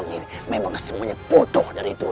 kebelas kaya luar situ